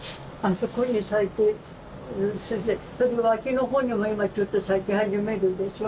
そして脇の方にも今ちょっと咲き始めるでしょ。